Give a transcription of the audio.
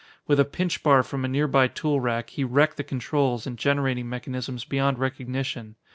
With a pinch bar from a nearby tool rack, he wrecked the controls and generating mechanisms beyond recognition.